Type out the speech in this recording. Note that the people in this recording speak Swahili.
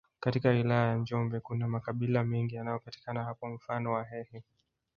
Katika wilaya ya njombe kuna makabila mengi yanayopatika hapo mfano wahehe